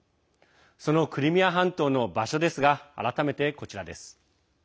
そのクリミア半島の場所ですが改めて、こちらです。